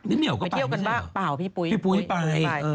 นี่เหนียวก็ไปนี่ใช่หรือเปล่าพี่ปุ๊ยไปไป